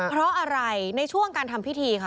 เพราะอะไรในช่วงการทำพิธีค่ะ